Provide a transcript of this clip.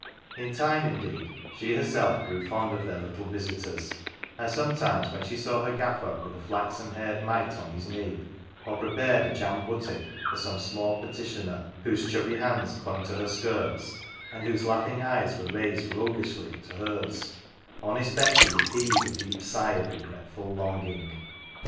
In time, indeed, she herself grew fond of their little visitors, and sometimes when she saw her Gaffer with a flaxen haired mite on his knee, or prepared a "jam butty' 1 for some small petitioner whose chubby hands clung to her skirts, and whose laughing eyes were raised roguishly to hers, honest Betsy would heave a deep sigh of regretful longing.